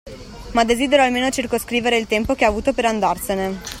Ma desidero almeno circoscrivere il tempo che ha avuto per andarsene.